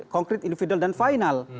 konkret individual dan final